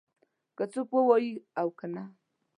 که څوک ووايي او که نه.